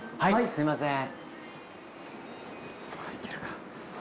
すいません。